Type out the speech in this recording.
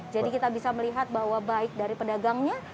jadi kita bisa melihat bahwa baik dari pedagangnya